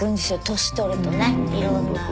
年取るとねいろんな。